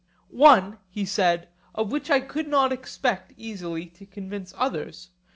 One, he said, of which I could not expect easily to convince others.